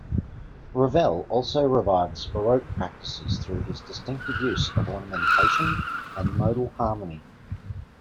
Ravel also revives Baroque practices through his distinctive use of ornamentation and modal harmony.